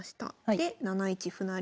で７一歩成。